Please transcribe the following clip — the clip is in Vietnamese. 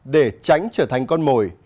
để tránh trở thành con mồi